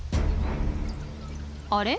あれ？